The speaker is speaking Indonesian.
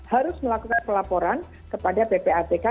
harus melakukan pelaporan kepada ppatk